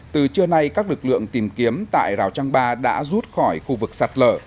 từ trưa nay các lực lượng tìm kiếm tại rào trăng ba đã rút khỏi khu vực sạt lở